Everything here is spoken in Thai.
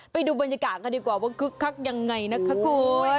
ไปดูบรรยากาศกันดีกว่าว่าคึกคักยังไงนะคะคุณ